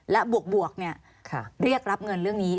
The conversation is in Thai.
และบวกเรียกรับเงินเรื่องนี้